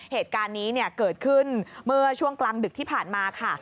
เหตุการณ์นี้เกิดขึ้นเมื่อช่วงกลางดึกที่ผ่านมาค่ะ